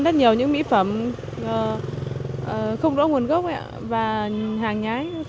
rất nhiều những mỹ phẩm không rõ nguồn gốc và hàng nhái